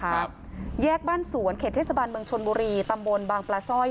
ครับแยกบ้านสวนเขตเทศบาลเมืองชนบุรีตำบลบางปลาสร้อย